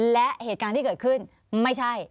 และเหตุการณ์ที่เกิดขึ้นไม่ใช่